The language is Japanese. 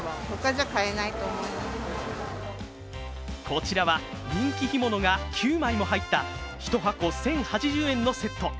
こちらは、人気干物が９枚も入った１箱１０８０円のセット。